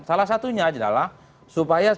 salah satunya adalah supaya